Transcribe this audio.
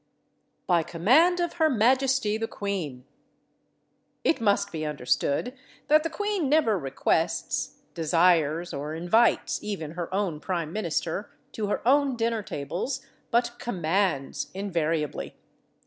"By command of her majesty the queen." It must be understood that the queen never requests, desires, or invites even her own prime minister, to her own dinner tables, but "commands" invariably.